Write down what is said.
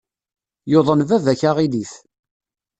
Yuḍen baba-k aɣilif.